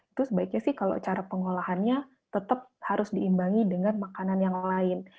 itu sebaiknya sih kalau cara pengolahannya tetap harus diimbangi dengan makanan yang lain